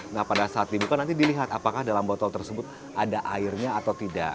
nah pada saat dibuka nanti dilihat apakah dalam botol tersebut ada airnya atau tidak